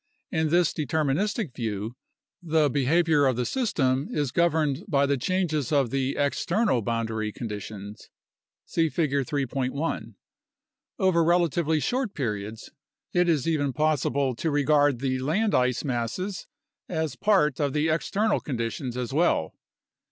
In this deterministic view the behavior of the system is governed by the changes of the external boundary conditions (see Figure 3.1). Over relatively short periods, it is even possible to regard the land ice masses as part of the external conditions as well.